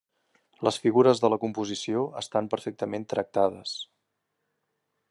Les figures de la composició estan perfectament tractades.